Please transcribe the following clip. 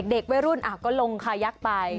เด็กว่ายุ่นก็ลงขยักไป